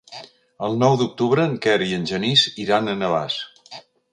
El nou d'octubre en Quer i en Genís iran a Navàs.